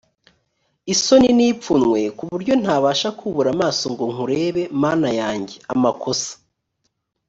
isoni n ipfunwe ku buryo ntabasha kubura amaso ngo nkurebe mana yanjye amakosa